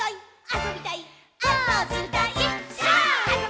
「あそびたいっ！！」